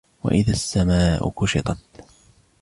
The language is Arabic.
وإذا السماء كشطت